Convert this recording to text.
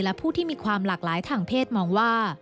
และผู้ที่มีความหลากหลายทางเพศมองว่า